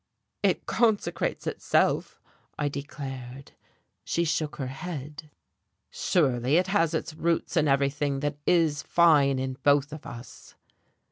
"It consecrates itself," I declared. She shook her head. "Surely it has its roots in everything that is fine in both of us."